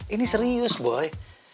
ini serius boy